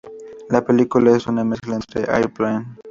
La película es una mezcla entre "Airplane!